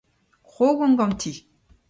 Krogomp ganti.